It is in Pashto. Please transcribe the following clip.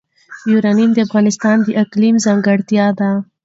یورانیم د افغانستان د اقلیم ځانګړتیا ده.